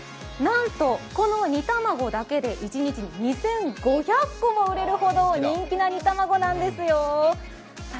なんと、この煮玉子だけで一日に２５００個も売れるほどの人気な煮玉子なんですよ。